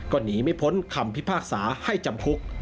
ก็หนีไม่พ้นคำพิพากษาให้จำคุก